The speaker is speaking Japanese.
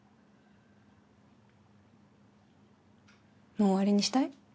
もう終わりにしたい？